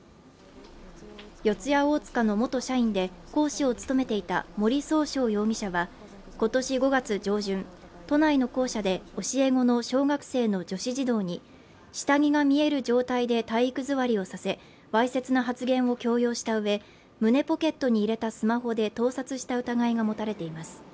四谷大塚の元社員で講師を務めていた森崇翔容疑者は今年５月上旬都内の校舎で教え子の小学生の女子児童に下着が見える状態で体育座りをさせわいせつな発言を強要したうえ胸ポケットに入れたスマホで盗撮した疑いが持たれています。